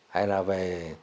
hay là về